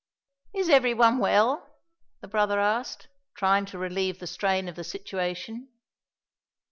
"Is every one well?" the brother asked, trying to relieve the strain of the situation.